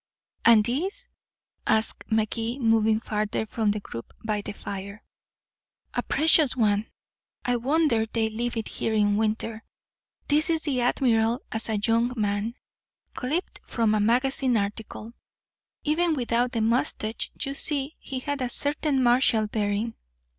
"And this?" asked Magee, moving farther from the group by the fire. "A precious one I wonder they leave it here in winter. This is the admiral as a young man clipped from a magazine article. Even without the mustache, you see, he had a certain martial bearing."